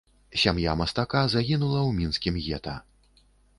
Сям'я мастака загінула ў мінскім гета.